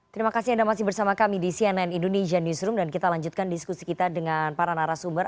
terima kasih anda masih bersama kami di cnn indonesia newsroom dan kita lanjutkan diskusi kita dengan para narasumber